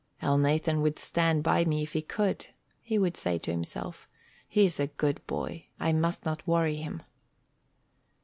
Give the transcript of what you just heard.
"Elnathan would stand by me if he could," he would say to himself. "He's a good boy. I must not worry him."